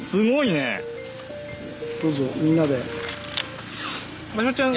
どうぞみんなで。